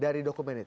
dari dokumen itu